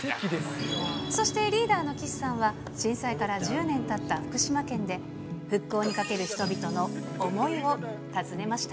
そしてリーダーの岸さんは、震災から１０年たった福島県で、復興にかける人々の想いを尋ねました。